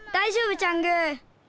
チャング。